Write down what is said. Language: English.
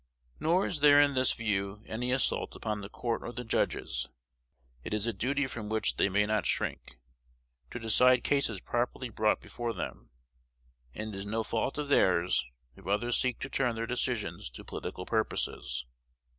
Nor is there in this view any assault upon the court or the judges. It is a duty from which they may not shrink, to decide cases properly brought before them; and it is no fault of theirs if others seek to turn their decisions to political purposes.